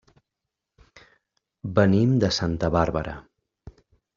Venim de Santa Bàrbara.